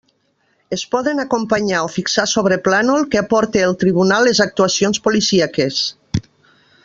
Es poden acompanyar o fixar sobre plànol que aporte el tribunal les actuacions policíaques.